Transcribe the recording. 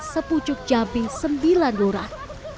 sepucuk jambi sembilan lorah